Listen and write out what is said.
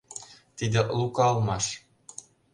Тиде Лука улмаш.